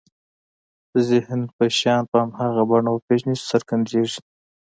ذهن به شیان په هماغه بڼه وپېژني چې څرګندېږي.